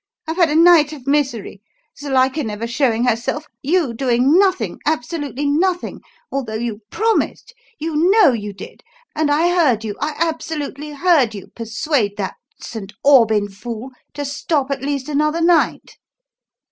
I've had a night of misery Zuilika never showing herself; you doing nothing, absolutely nothing, although you promised you know you did! and I heard you, I absolutely heard you persuade that St. Aubyn fool to stop at least another night."